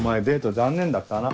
残念だったな。